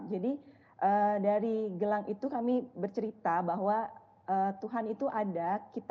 jadi dari gelang itu kami bercerita bahwa tuhan itu ada